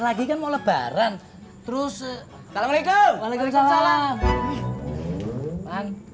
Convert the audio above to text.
lagi kan mau lebaran terus assalamualaikum waalaikumsalam